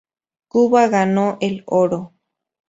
Cuba ganó el oro.